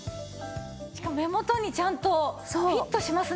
しかも目元にちゃんとフィットしますね。